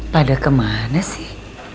pada kemana sih